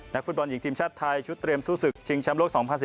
ฟุตบอลหญิงทีมชาติไทยชุดเตรียมสู้ศึกชิงแชมป์โลก๒๐๑๙